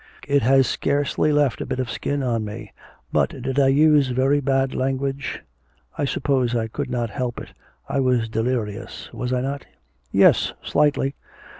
'It has scarcely left a bit of skin on me. But did I use very bad language? I suppose I could not help it.... I was delirious, was I not?' 'Yes, slightly.'